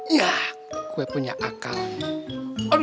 yah gue punya akal nih